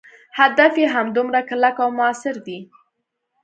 هدف یې همدومره کلک او موثر دی.